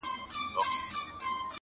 څه ورېښمین شالونه لوټ کړل غدۍ ورو ورو!.